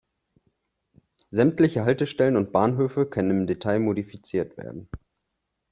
Sämtliche Haltestellen und Bahnhöfe können im Detail modifiziert werden.